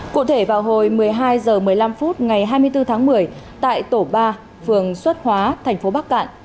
cụ thể vào hồi một mươi hai h một mươi năm phút ngày hai mươi bốn tháng một mươi tại tổ ba phường xuất hóa thành phố bắc cạn